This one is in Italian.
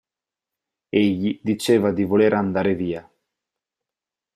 Egli diceva di voler andar via.